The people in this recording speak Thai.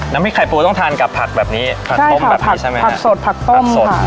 พริกไข่ปูต้องทานกับผักแบบนี้ผักต้มแบบผักใช่ไหมผักสดผักต้มสด